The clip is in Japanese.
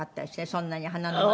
そんなに鼻の。